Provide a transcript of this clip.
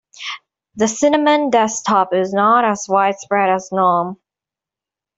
The cinnamon desktop is not as widespread as gnome.